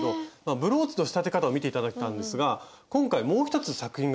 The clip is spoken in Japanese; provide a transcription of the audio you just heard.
ブローチの仕立て方を見て頂いたんですが今回もう一つ作品がありますよね。